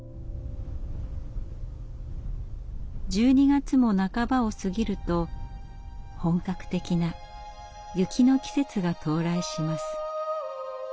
１２月も半ばを過ぎると本格的な雪の季節が到来します。